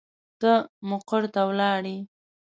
ته مقر ته ولاړې.